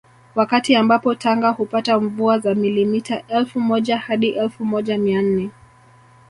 Wakati ambapo Tanga hupata mvua za millimita elfu moja hadi elfu moja mia nne